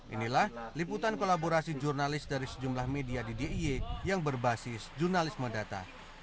inilah liputan kolaborasi jurnalis dari sejumlah media di d i e yang berbasis jurnalisme data